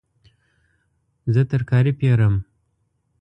زه ترکاري پیرم